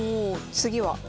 次は？